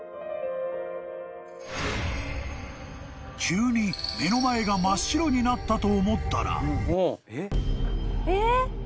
［急に目の前が真っ白になったと思ったら］